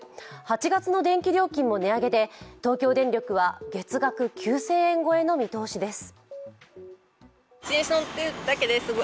８月の電気料金も値上げで東京電力は月額９０００円超えの見通しです。